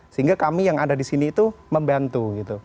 sehingga kami yang ada di sini itu membantu